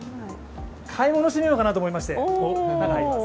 買い物してみようかなと思いまして、中に入ります。